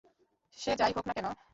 সে যেই হোক না কেন!